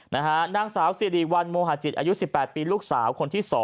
นางสาวสิริวัลโมหาจิตอายุ๑๘ปีลูกสาวคนที่๒